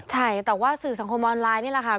ใช่แต่ว่าสื่อสังคมออนไลน์นี่แหละค่ะ